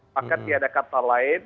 bahkan tidak ada kata lain